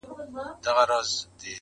د فیلانو هم سي غاړي اوږدولای-